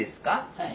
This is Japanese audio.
はい。